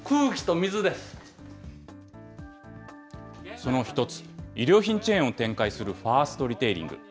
その１つ、衣料品チェーンを展開するファーストリテイリング。